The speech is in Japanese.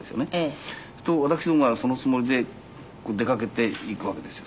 すると私どもはそのつもりで出かけて行くわけですよ。